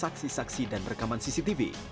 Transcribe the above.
saksi saksi dan rekaman cctv